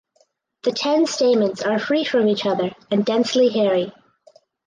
The ten stamens are free from each other and densely hairy.